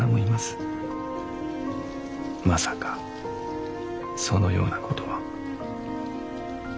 まさかそのようなことは。